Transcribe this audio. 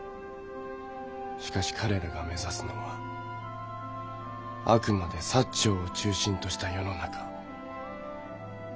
しかし彼らが目指すのはあくまで長を中心とした世の中。